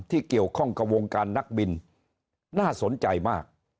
ที่เกี่ยวข้องกับวงการนักบินน่าสนใจมาก